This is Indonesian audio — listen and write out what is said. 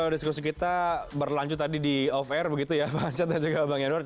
diskusi kita berlanjut tadi di off air begitu ya pak aceh dan juga bang edward